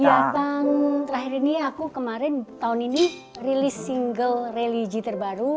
kegiatan terakhir ini aku kemarin tahun ini rilis single religi terbaru